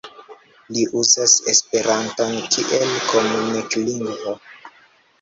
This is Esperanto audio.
Li uzas esperanton kiel komunik-lingvo.